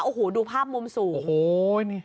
โอ้โหดูภาพมุมสูง